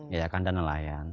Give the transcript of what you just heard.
ya kandang nelayan